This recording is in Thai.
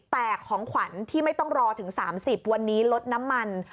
แต่ของขวัญที่ไม่ต้องรอถึง๓๐วันนี้ลดน้ำมัน